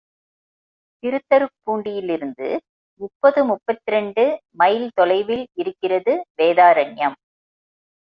திருத்தருப்பூண்டியிலிருந்து முப்பது முப்பத்திரண்டு மைல் தொலைவில் இருக்கிறது வேதாரண்யம்.